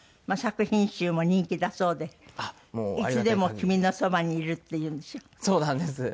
作品集も人気だそうで『いつでも君のそばにいる』っていうんでしょ？